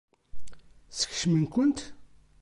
Skecmen-kent?